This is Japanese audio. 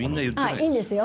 いいんですよ。